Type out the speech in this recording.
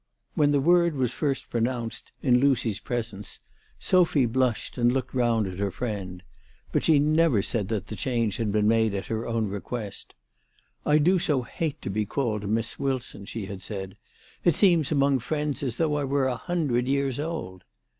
When the word was first pronounced in Lucy's 292 THE TELEGEAPH (HKL. presence Sophy blushed and looked round at her friend. But she never said that the change had been made at her own request. "I do so hate to be called Miss Wilson," she had said. " It seems among friends as though I were a hundred years old."